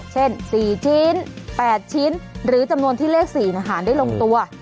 เช่น๔ชิ้น๘ชิ้นหรือจำนวนที่เลข๔หารได้ลงตัว